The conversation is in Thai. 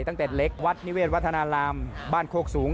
ตั้งแต่เล็กวัดนิเวศวัฒนารามบ้านโคกสูง